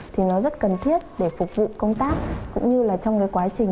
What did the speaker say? thì nó rất cần thiết để phục vụ công tác cũng như trong quá trình